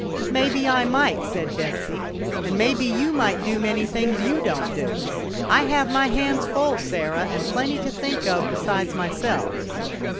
" Maybe I might," said Betsy, " and maybe you might do many things you don't do. I have my hands full, Sarah, and plenty to think of besides myself."